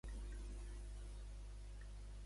La pizzeria la Bufala o el Celler de Lleida?